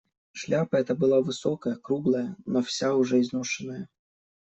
Шляпа эта была высокая, круглая, но вся уже изношенная.